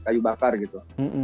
kayu bakar gitu